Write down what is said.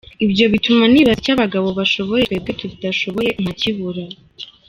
Ibyo bituma nibaza icyo abagabo bashoboye twebwe tudashoboye nkakibura.